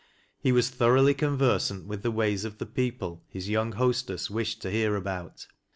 He was thoroughly conversant with the ways of the people his young hostess wished to hear about.